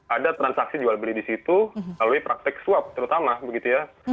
ada transaksi jual beli di situ lalu praktek swap terutama begitu ya